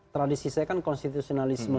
tradisi saya kan konstitusionalisme